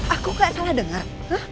aku gak salah denger